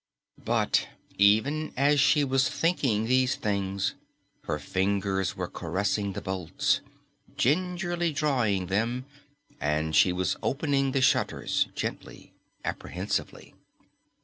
But even as she was thinking these things, her fingers were caressing the bolts, gingerly drawing them, and she was opening the shutters gently, apprehensively.